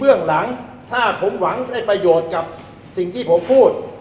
เรื่องหลังถ้าผมหวังได้ประโยชน์กับสิ่งที่ผมพูด